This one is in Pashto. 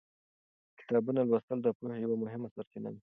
کتابونه لوستل د پوهې یوه مهمه سرچینه ده.